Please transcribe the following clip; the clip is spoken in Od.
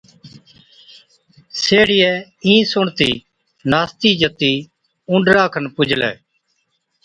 سيهڙِيئَي اِين سُڻتِي ناستِي جتِي اُونڏرا کن پُجلَي،